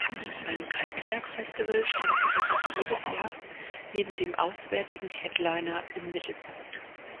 Beim Kalkwerk-Festival standen sie fast jedes Jahr neben dem auswärtigen Headliner im Mittelpunkt.